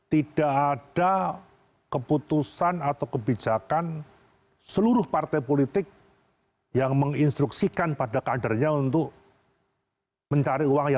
tidak ada keputusan atau kebijakan seluruh partai politik yang menginstruksikan pada kadernya untuk mencari uang